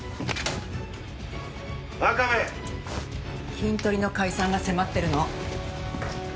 キントリの解散が迫ってるの。